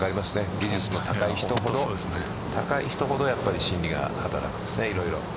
技術の高い人ほど心理が働くんですね、いろいろ。